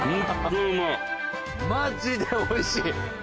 マジでおいしい！